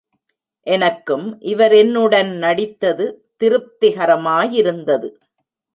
எனக்கும் இவர் என்னுடன் நடித்தது திருப்திகரமாயிருந்தது.